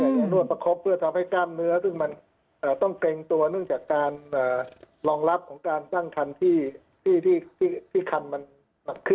จะนวดประคบเพื่อทำให้กล้ามเนื้อซึ่งมันต้องเกรงตัวเนื่องจากการรองรับของการตั้งคันที่คันมันหนักขึ้น